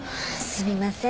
すみません。